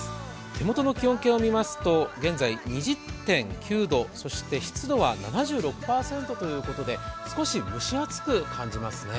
手元の気温計を見ますと現在２０．９度、そして湿度は７６％ということで少し蒸し暑く感じますね。